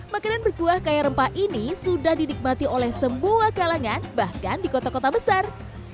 makanan berkuah kaya rempah ini sudah dinikmati oleh semua kalangan bahkan di kota kota besar